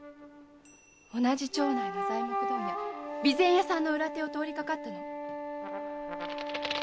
同じ町内の材木問屋備前屋さんの裏手を通りかかったの。